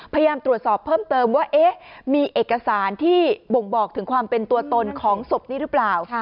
พยายามตรวจสอบเพิ่มเติมว่ามีเอกสารที่บ่งบอกถึงความเป็นตัวตนของศพนี้หรือเปล่า